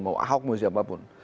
mau ahok mau siapapun